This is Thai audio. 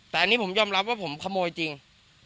แต่อันนี้ผมยอมรับว่าผมขโมยจริง